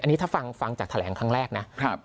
อันนี้ถ้าฟังจากแถลงครั้งแรกนะ